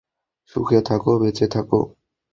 সুখে থাকো, বেঁচে থাকো।